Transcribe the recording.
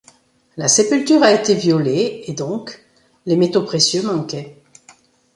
La sépulture a été violée et donc les métaux précieux manquaient.